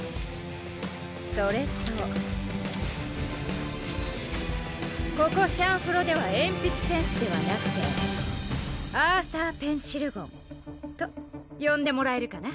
それとここ「シャンフロ」では鉛筆戦士ではなくてアーサー・ペンシルゴンと呼んでもらえるかな？